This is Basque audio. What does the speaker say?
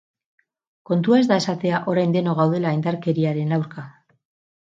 Kontua ez da esatea orain denok gaudela indarkeriaren aurka.